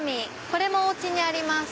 これもお家にあります。